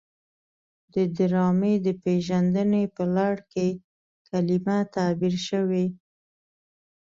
د ډرامې د پیژندنې په لړ کې کلمه تعبیر شوې.